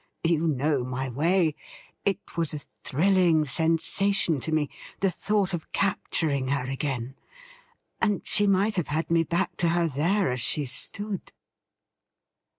You know my way — it was a thrilling sensation to me, the thought of capturing her again — and she might have had me back to her there as she stood